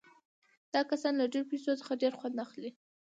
دا کسان له ډېرو پیسو څخه ډېر خوند اخلي